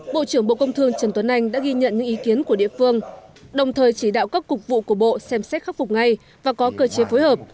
bộ trưởng bộ công thương trần tuấn anh đã ghi nhận những ý kiến của địa phương đồng thời chỉ đạo các cục vụ của bộ xem xét khắc phục ngay và có cơ chế phối hợp